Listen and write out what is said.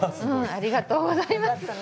ありがとうございます。